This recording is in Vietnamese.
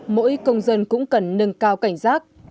mỗi công dân cũng cần nâng cao cảnh giác